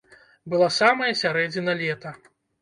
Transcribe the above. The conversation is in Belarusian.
Была самая сярэдзіна лета.